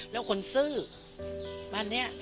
แล้วคนซื่อบ้านเนี่ย